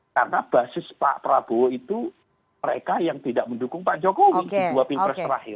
karena basis pak prabowo itu mereka yang tidak mendukung pak jokowi di dua pimpin terakhir